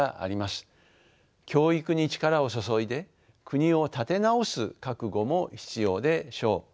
教育に力を注いで国を立て直す覚悟も必要でしょう。